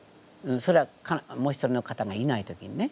それはもう一人の方がいない時にね。